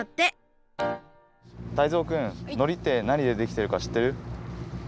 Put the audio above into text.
タイゾウくんのりってなにでできてるかしってる？